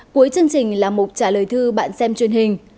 cuối chương trình là mục trả lời thư bạn xem truyền hình